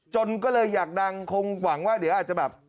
จนก็เลยอยากดังคงหวังว่าเดี๋ยวอาจจะแบบ